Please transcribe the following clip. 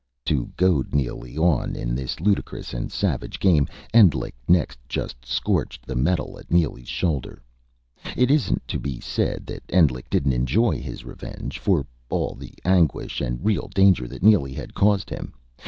To goad Neely on in this ludicrous and savage game, Endlich next just scorched the metal at Neely's shoulder. It isn't to be said that Endlich didn't enjoy his revenge for all the anguish and real danger that Neely had caused him.